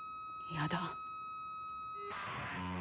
やだ